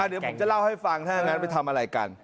เดี๋ยวผมจะเล่าให้ฟังถ้างั้นไปทำอะไรกัน